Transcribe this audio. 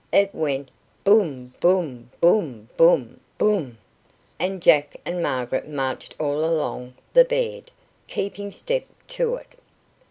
It went Boom! Boom! Boom! Boom! Boom! and Jack and Margaret marched all along the bed, keeping step to it.